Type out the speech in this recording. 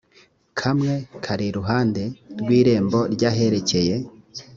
kamwe kari iruhande rw irembo ry aherekeye